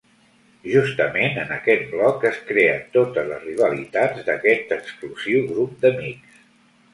Justament en aquest blog es creen totes les rivalitats d'aquest exclusiu grup d'amics.